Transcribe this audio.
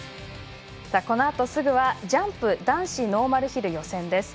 このあと、すぐはジャンプ男子ノーマルヒル予選。